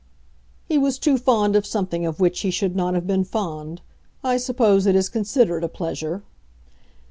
"He was too fond of something of which he should not have been fond. I suppose it is considered a pleasure."